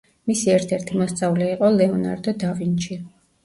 მისი ერთ-ერთი მოსწავლე იყო ლეონარდო და ვინჩი.